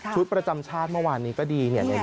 ประจำชาติเมื่อวานนี้ก็ดี